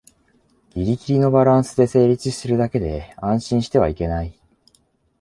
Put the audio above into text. ギリギリのバランスで成立してるだけで安心してはいけない